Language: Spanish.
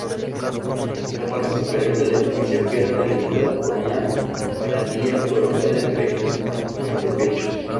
La parte superior del edificio queda delimitada por una barandilla colocada entre antepechos.